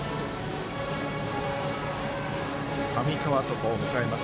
上川床を迎えます。